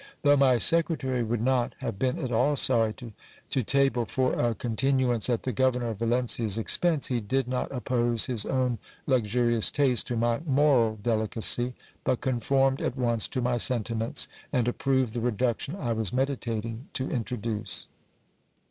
Though my secretary would not have been at all sorry to table for a continu ance at the governor of Valencia's expense, he did not oppose his own luxurious taste to my moral delicacy, but conformed at once to my sentiments, and ap proved the reduction I was meditating to introduce.